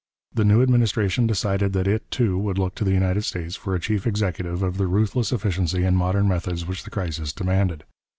The new administration decided that it, too, would look to the United States for a chief executive of the ruthless efficiency and modern methods which the crisis demanded.